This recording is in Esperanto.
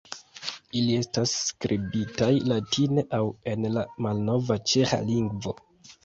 Ili estas skribitaj latine aŭ en la malnova ĉeĥa lingvo.